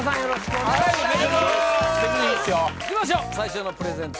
お願いしまーす